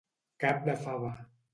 Cap de la fava.